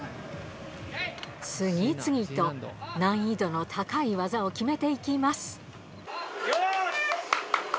次々と難易度の高い技を決めて行きます